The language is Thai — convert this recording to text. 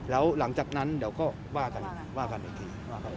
แล้วหลังจากนั้นเดี๋ยวก็ว่ากันว่ากันอีกที